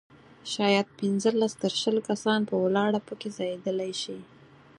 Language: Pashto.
شاید پنځلس تر شل کسان په ولاړه په کې ځایېدلای شي.